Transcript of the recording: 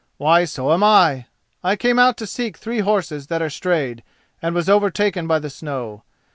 Why, so am I. I came out to seek three horses that are strayed, and was overtaken by the snow.